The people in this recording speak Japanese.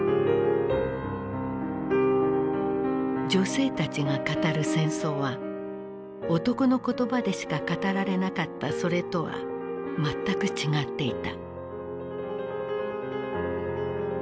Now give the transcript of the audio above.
女性たちが語る戦争は男の言葉でしか語られなかったそれとは全く違っていた。